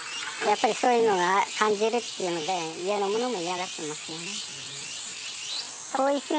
やっぱりそういうのが感じるっていうので家の者も嫌がってますよね。